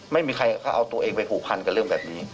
ไม่มีใครเขาเอาตัวเองไปผูกพันกับเรื่องแบบนี้